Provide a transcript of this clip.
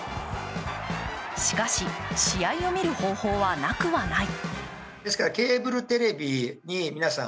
しかし、試合を見る方法はなくはない。